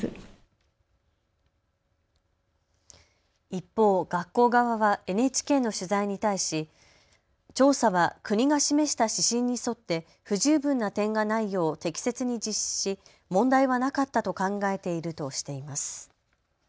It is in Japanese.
一方、学校側はＮＨＫの取材に対し調査は国が示した指針に沿って不十分な点がないよう適切に実施し問題はなかったと考えているとしています。